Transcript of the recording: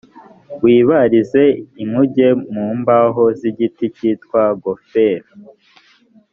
wibarize inkuge mu mbaho z igiti cyitwa goferu